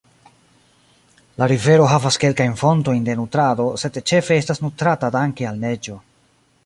La rivero havas kelkajn fontojn de nutrado, sed ĉefe estas nutrata danke al neĝo.